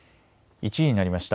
１時になりました。